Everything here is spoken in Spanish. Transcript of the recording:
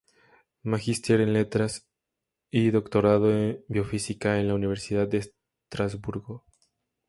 Magíster en Letras y doctorado en Biofísica en la Universidad de Estrasburgo.